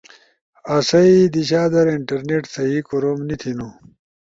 آسئی دیشا در انٹرنیٹ سہی کوروم نی تھینو۔